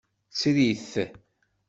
Tter-it.